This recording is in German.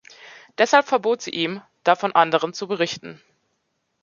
Deshalb verbot sie ihm, davon anderen zu berichten.